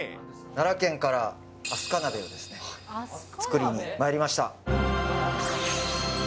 奈良県から飛鳥鍋をですね、作りにまいりました。